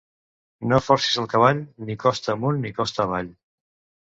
No forcis el cavall ni costa amunt ni costa avall.